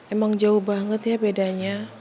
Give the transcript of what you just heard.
emang jauh banget ya bedanya